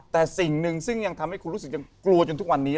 แต่สิ่งหนึ่งซึ่งยังทำให้คุณรู้สึกยังกลัวจนทุกวันนี้